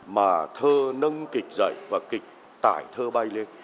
mà thơ nâng kịch dậy và kịch tải thơ bay lên